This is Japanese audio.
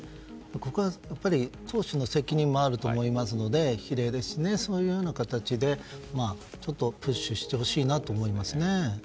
僕はやっぱり当初の責任もあると思いますので比例ですしね、そういう形でプッシュしてほしいなと思います。